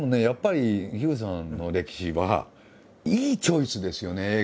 やっぱり口さんの歴史はいいチョイスですよね